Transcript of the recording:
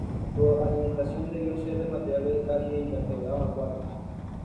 Su alimentación debió ser de material vegetal y de invertebrados acuáticos.